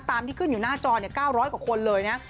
ที่ขึ้นอยู่หน้าจอ๙๐๐กว่าคนเลยนะ